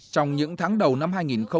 trong những tháng đầu năm hai nghìn một mươi hai